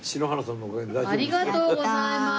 ありがとうございます。